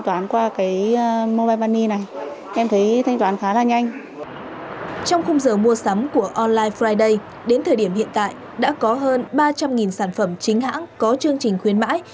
trong khung giờ mua sắm của online friday đến thời điểm hiện tại đã có hơn ba trăm linh sản phẩm chính hãng có chương trình khuyến mãi